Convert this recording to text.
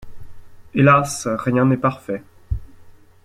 Hélas! rien n’est parfait.